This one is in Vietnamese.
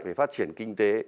về phát triển kinh tế